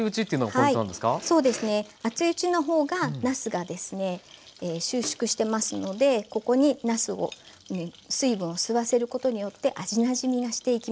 熱いうちのほうがなすが収縮してますのでここになすに水分を吸わせることによって味なじみがしていきます。